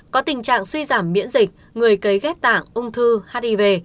có tình trạng suy giảm miễn dịch người cấy ghép tạng ung thư hiv